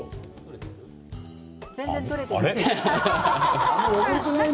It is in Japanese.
全然、取れていない。